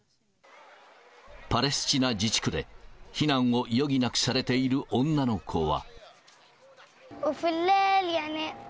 パレスチナ自治区で避難を余儀なくされている女の子は。